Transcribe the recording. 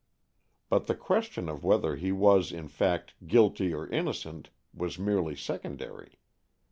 But the question of whether he was, in fact, guilty or innocent, was merely secondary.